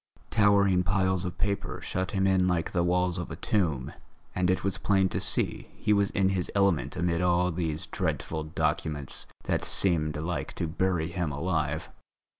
Towering piles of papers shut him in like the walls of a tomb, and it was plain to see he was in his element amid all these dreadful documents that seemed like to bury him alive.